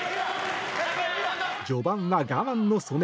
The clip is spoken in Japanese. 序盤は我慢の素根。